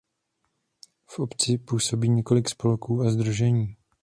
V obci působí několik spolků a sdružení.